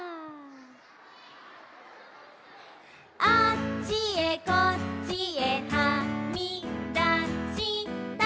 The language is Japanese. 「あっちへこっちへはみだしたやあ」